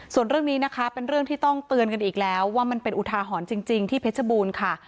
ส่วนเรื่องนี้นะคะเป็นเรื่องที่ต้องเตือนกันอีกแล้วว่ามันเป็นอุทาหรณ์จริงที่เพชรบูรณ์ค่ะ